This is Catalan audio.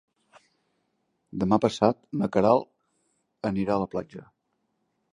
Demà passat na Queralt anirà a la platja.